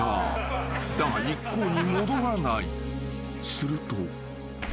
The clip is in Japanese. ［すると］